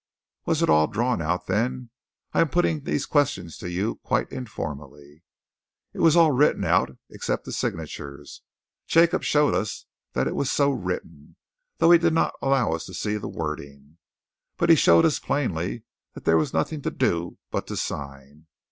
"Was it all drawn out then? I am putting these questions to you quite informally." "It was all written out, except the signatures. Jacob showed us that it was so written, though he did not allow us to see the wording. But he showed us plainly that there was nothing to do but to sign.